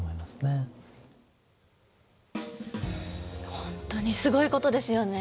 本当にすごいことですよね。